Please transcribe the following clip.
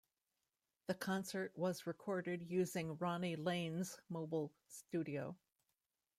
The concert was recorded using Ronnie Lane's Mobile Studio.